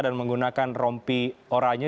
dan menggunakan rompi oranya